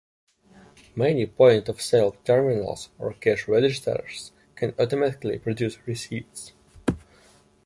Many point-of-sale terminals or cash registers can automatically produce receipts.